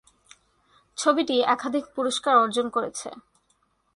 ছবিটি একাধিক পুরস্কার অর্জন করেছে।